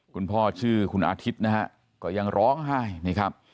คุณพ่อชื่อคุณอาทิตย์นะฮะก็ยังร้องไห้